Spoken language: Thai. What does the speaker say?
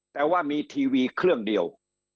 แต่ว่ามีทีวีเครื่องเดียว